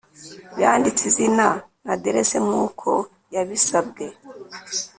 yanditse izina na aderesi nkuko yabisabwe.